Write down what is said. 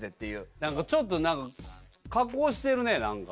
なんかちょっとなんか、加工してるね、なんか。